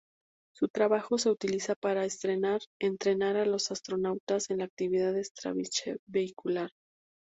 Su trabajo se utiliza para entrenar a los astronautas en la actividad extravehicular.